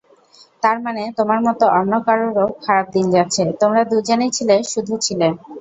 তারমানে তোমার মত অন্যকারোরও খারাপ দিন যাচ্ছে, তোমরা দুজনই ছিলে শুধু ছিলে?